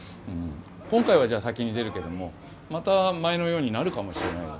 今回は先に出るけども、また前のようになるかもしれない。